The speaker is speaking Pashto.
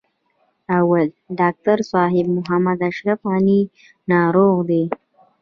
اول: ډاکټر صاحب محمد اشرف غني ناروغ دی.